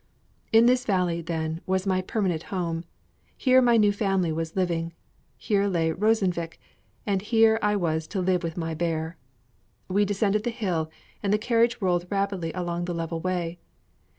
In this valley, then, was my permanent home: here my new family was living; here lay Rosenvik; here I was to live with my Bear. We descended the hill, and the carriage rolled rapidly along the level way.